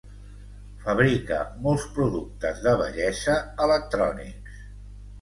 Fabrica molts productes de bellesa electrònics.